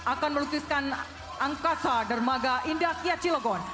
akan melukiskan angkasa dermaga indah kiacilagon